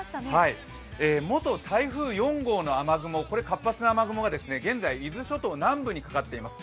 元台風４号の雨雲、活発な雨雲が現在、伊豆諸島南部にかかっています。